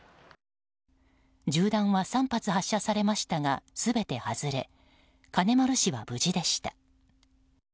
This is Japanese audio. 銃弾は３発発射されましたが全て外れ金丸氏は無事でした。